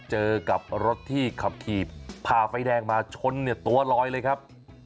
เจอกับรถที่ขับขี่พาไฟแดงมาช้นตัวร้อยเลยครับ